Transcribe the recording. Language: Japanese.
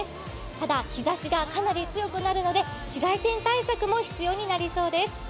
ただ、日ざしがかなり強くなるので紫外線対策も必要になりそうです。